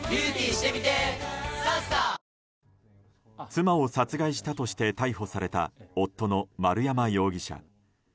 妻を殺害したとして逮捕された夫の丸山容疑者。